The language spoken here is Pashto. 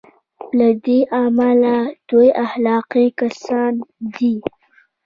له دې امله دوی اخلاقي کسان دي.